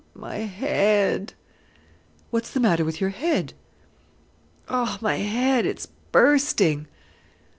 my head!" "What's the matter with your head?" "Oh, my head! it's bursting."